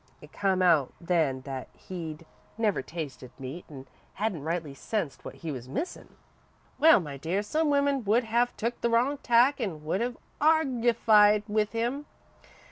It come out then that he'd never tasted meat an' hadn't rightly sensed what he was missin'. "Well, my dear, some women would have took the wrong tack an' would have argyfied with him.